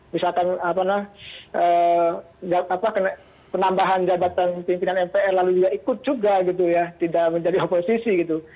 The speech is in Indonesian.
misalkan penambahan jabatan pimpinan mpr lalu juga ikut juga gitu ya tidak menjadi oposisi gitu